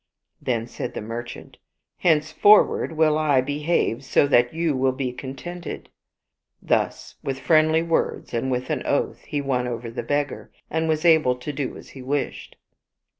Then said the merchant, "Henceforward will I behave so that you will be contented." Thus with friendly words and with an oath he won over the beggar^ and was able to do as he wished.